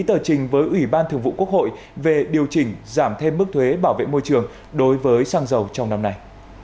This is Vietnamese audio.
bộ trưởng bộ tài chính đã ký tờ trình với ủy ban thương vụ quốc hội về điều chỉnh giảm thêm mức thuế bảo vệ môi trường đối với xăng dầu trong năm nay